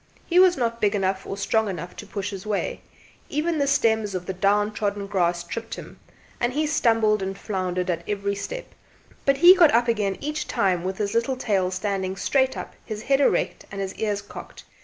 He was not big enough or strong enough to push his way even the stems of the down trodden grass tripped himand he stumbled and floundered at every step, but he got up again each time with his little tail standing straight up, his head erect, and his ears cocked.